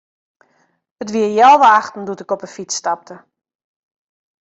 It wie healwei achten doe't ik op 'e fyts stapte.